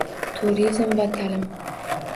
Turizm va ta’lim